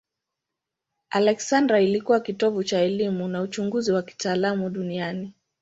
Aleksandria ilikuwa kitovu cha elimu na uchunguzi wa kitaalamu duniani.